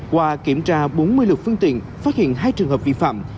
qua kiểm tra bốn mươi lực phương tiện phát hiện hai trường hợp vi phạm